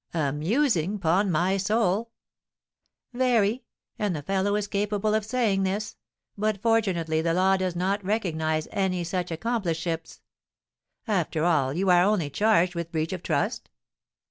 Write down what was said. "Amusing, 'pon my soul!" "Very; and the fellow is capable of saying this, but fortunately the law does not recognise any such accompliceships." "After all, you are only charged with breach of trust?"